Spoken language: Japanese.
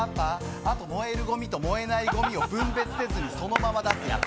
あと燃えるごみと燃えないごみを分別せずにそのまま出すやつ。